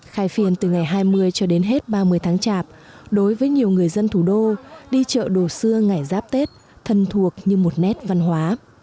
khai phiên từ ngày hai mươi cho đến hết ba mươi tháng chạp đối với nhiều người dân thủ đô đi chợ đồ xưa ngày giáp tết thân thuộc như một nét văn hóa